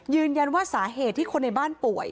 ยืนยันว่าสาเหตุที่คนในบ้านป่วย